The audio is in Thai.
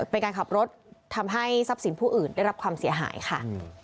เป็นการขับรถทำให้ทรัพย์สินผู้อื่นได้รับความเสียหายค่ะ